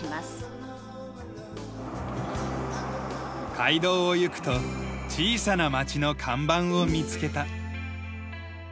街道を行くと小さな町の看板を見つけた。